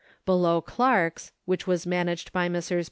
Below Clarke's, which was managed by Messrs.